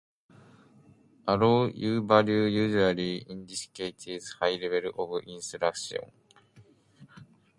A low U-value usually indicates high levels of insulation.